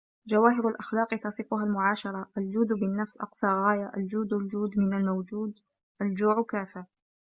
جواهر الأخلاق تصفها المعاشرة الجود بالنفس أقصى غاية الجود الجود من الموجود الجوع كافر